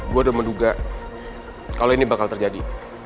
gue udah menduga kalau ini bakal terjadi